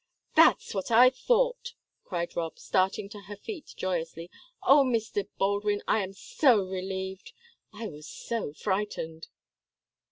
"That's what I thought!" cried Rob, starting to her feet, joyously. "Oh, Mr. Baldwin, I am so relieved I was so frightened!"